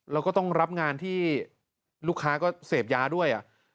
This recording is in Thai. แล้วก็ต้องรับงานที่ลูกค้าก็เสพยาด้วย